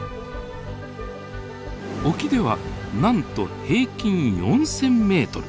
沖ではなんと平均４，０００ｍ。